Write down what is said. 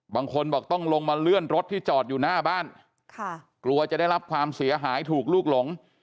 บางคนบอกต้องลงมาเลื่อนรถที่จอดอยู่หน้าบ้านกลัวจะได้รับความเสียหายถูกลูกหลง